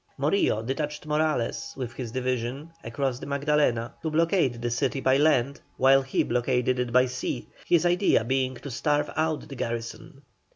Morillo detached Morales, with his division, across the Magdalena, to blockade the city by land while he blockaded it by sea, his idea being to starve out the garrison.